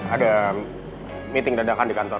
ada meeting dadakan di kantor